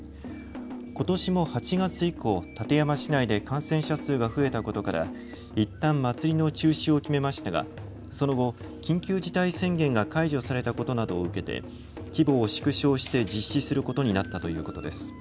ことしも８月以降、館山市内で感染者数が増えたことからいったん祭りの中止を決めましたがその後、緊急事態宣言が解除されたことなどを受けて規模を縮小して実施することになったということです。